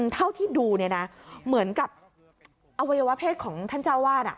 เท่าที่ดูเนี่ยนะเหมือนกับอวัยวะเพศของท่านเจ้าวาด